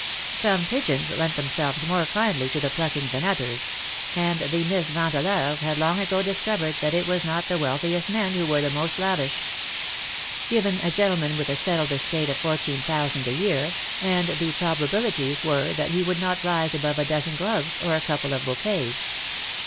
Some pigeons lent themselves more kindly to the plucking than others ; and the Miss Vandeleurs 181 had long ago discovered that it was not the wealthiest men who were most lavish. Given a gentleman with a settled estate of fourteen thousand a year,, and the probabilities were that he would not rise above a dozen gloves or a couple of bouquets.